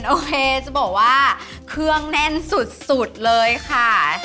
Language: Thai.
โอเคจะบอกว่าเครื่องแน่นสุดเลยค่ะ